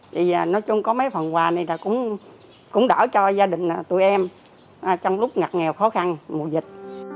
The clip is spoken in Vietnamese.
thì nói chung có mấy phần quà này là cũng đỡ cho gia đình tụi em trong lúc ngặt nghèo khó khăn mùa dịch